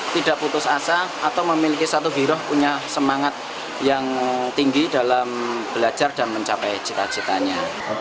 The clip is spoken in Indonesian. tidak putus asa atau memiliki satu giroh punya semangat yang tinggi dalam belajar dan mencapai cita citanya